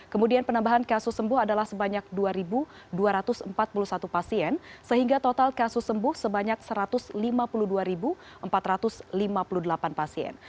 kemudian penambahan kasus sembuh adalah sebanyak dua dua ratus empat puluh satu pasien sehingga total kasus sembuh sebanyak satu ratus lima puluh dua empat ratus lima puluh delapan pasien